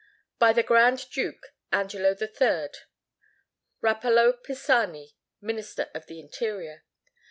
"By the Grand Duke, ANGELO III. "RAPALLO PISANI, "Minister of the Interior.